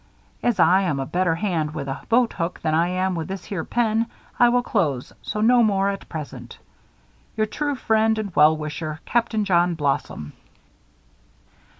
As I am a better hand with a boat hook than I am with this here pen, I will close, so no more at present. Your true friend and well wisher, CAPTAIN JOHN BLOSSOM.